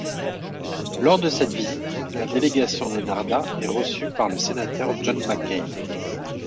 Lors de cette visite, la délégation d'Ennahdha est reçue par le sénateur John McCain.